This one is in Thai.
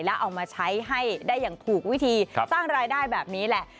แล้วเอามาใช้ให้ได้อย่างถูกวิธีสร้างรายได้แบบนี้แหละ